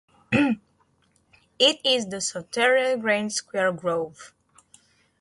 It is the southernmost giant sequoia grove.